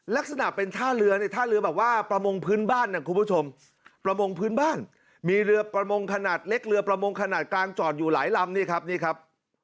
ลักษณะเป็นท่าเรือเนี่ยท่าเรือแบบว่าประมงพื้นบ้านนะคุณผู้ชมประมงพื้นบ้านมีเรือประมงขนาดเล็กเรือประมงขนาดกลางจอดอยู่หลายลำนี่ครับนี่ครับ